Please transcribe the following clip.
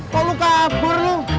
kok lu kabur lu